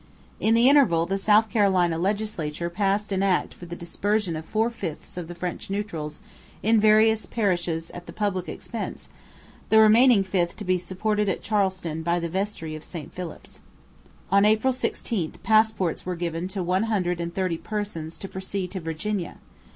In the interval the South Carolina legislature passed an act for the dispersion of four fifths of the French Neutrals in various parishes at the public expense, the remaining fifth to be supported at Charleston by the vestry of St Phillips. On April 16 passports were given to one hundred and thirty persons to proceed to Virginia.